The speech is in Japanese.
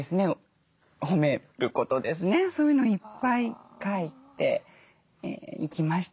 そういうのをいっぱい書いていきました。